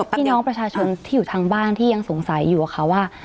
พี่น้องประชาชนที่อยู่ทางบ้านที่ยังสงสัยอยู่ค่ะว่า